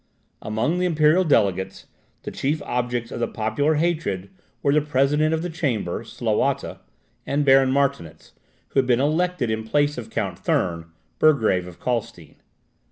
Among the imperial delegates, the chief objects of the popular hatred, were the President of the Chamber, Slawata, and Baron Martinitz, who had been elected in place of Count Thurn, Burgrave of Calstein.